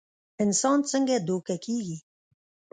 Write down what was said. انسان څنګ دوکه کيږي